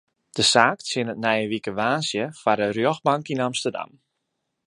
De saak tsjinnet nije wike woansdei foar de rjochtbank yn Amsterdam.